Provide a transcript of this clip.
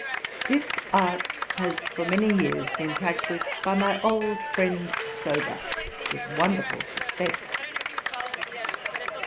This art has for many years been practised by my old friend Sober with wonderful success....